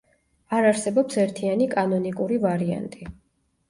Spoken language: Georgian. არ არსებობს ერთიანი კანონიკური ვარიანტი.